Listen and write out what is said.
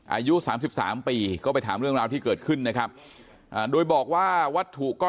อายุ๓๓ปีก็ไปถามเรื่องราวที่เกิดขึ้นนะครับโดยบอกว่าวัตถุก็